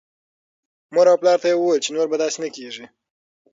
مور او پلار ته یې ویل چې نور به داسې نه کېږي.